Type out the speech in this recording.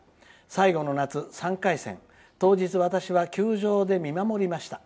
最後の夏３回戦、当日、私は球場で見守りました。